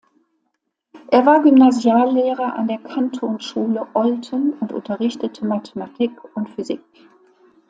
Er war Gymnasiallehrer an der Kantonsschule Olten und unterrichtete Mathematik und Physik.